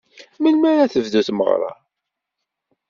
Melmi ara tebdu tmeɣra?